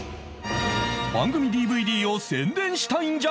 番組 ＤＶＤ を宣伝したいんじゃ！！